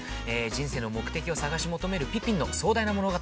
人生の目的を探し求めるピピンの壮大な物語。